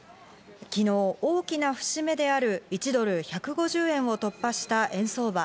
昨日、大きな節目である１ドル＝１５０円を突破した円相場。